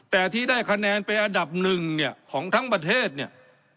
แต่ที่ได้คะแนนไปอันดับหนึ่งเนี่ยของทั้งประเทศเนี่ย